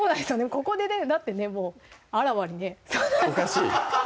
ここでねだってねもうあらわにねおかしい？